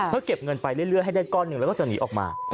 เพื่อเก็บเงินไปเรื่อยให้ได้ก้อนหนึ่งแล้วก็จะหนีออกมา